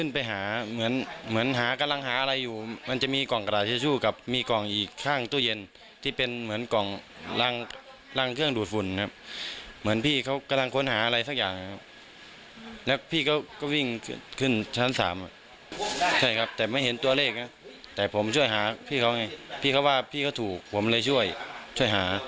พี่เขาถูกผมเลยช่วยช่วยหา